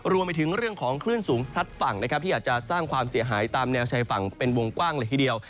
รวมไปถึงเรื่องของคลื่นสูงซัดฝั่งนะครับที่อาจจะสร้างความเสียหายตามแนวชายฝั่งเป็นวงกว้างเลยทีเดียว